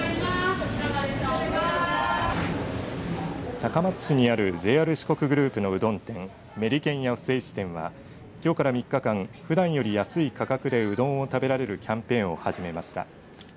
高松市にあるＪＲ四国グループのうどん店めりけんや伏石店はきょうから３日間ふだんより安い価格でうどん食べられるキャンペーンを始めました。